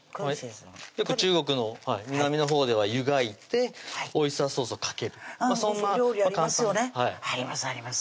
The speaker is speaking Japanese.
よく中国の南のほうでは湯がいてオイスターソースをかける料理ありますよねありますあります